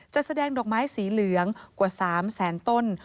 จะแสดงดอกไม้สีเหลืองกว่า๓แสนต้น